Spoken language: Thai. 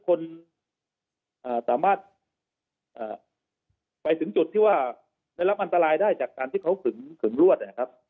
คนสามารถไปถึงจุดที่ไม่รับอันตรายได้จากการที่เขาเกิดรวด